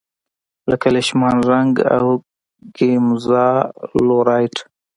لکه لیشمان رنګ او ګیمزا لو رایټ.